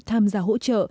tham gia hỗ trợ